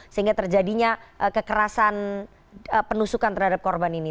sehingga terjadinya kekerasan penusukan terhadap korban ini